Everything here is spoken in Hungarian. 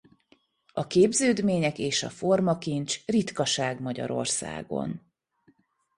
A képződmények és a formakincs ritkaság Magyarországon.